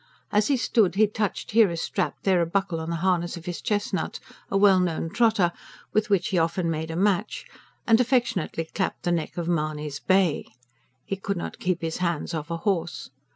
As he stood, he touched here a strap, there a buckle on the harness of his chestnut a well known trotter, with which he often made a match and affectionately clapped the neck of Mahony's bay. He could not keep his hands off a horse.